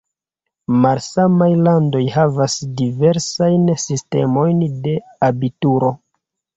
Malsamaj landoj havas diversajn sistemojn de abituro.